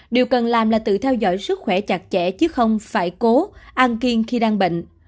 điều cần làm là tự theo dõi sức khỏe chặt chẽ chứ không phải cố an kiên khi đang bệnh